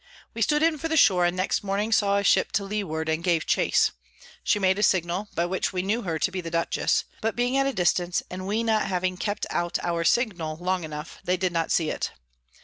We stood in for the Shore, and next Morning saw a Ship to Leeward, and gave chase; she made a Signal, by which we knew her to be the Dutchess; but being at a distance, and we not having kept out our Signal long enough, they did not see it.